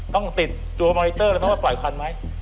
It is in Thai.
ต้องติดดูมอนิเตอร์แล้วว่าปล่อยควันไหม